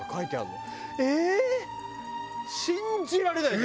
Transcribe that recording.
信じられない。